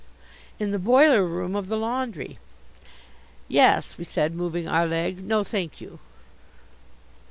in the boiler room of the laundry." "Yes," we said, moving our leg "no, thank you."